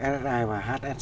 lsi và hsc